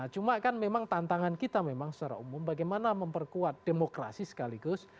cuma kan memang tantangan kita memang secara umum bagaimana memperkuat demokrasi sekaligus